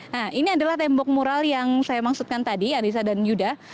nah ini adalah tembok mural yang saya maksudkan tadi anissa dan yuda